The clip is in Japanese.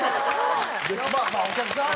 まあまあお客さん。